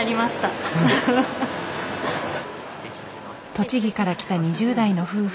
栃木から来た２０代の夫婦。